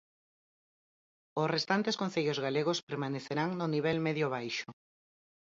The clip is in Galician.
Os restantes concellos galegos permanecerán no nivel medio baixo.